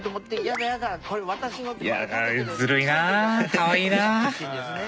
かわいいですね。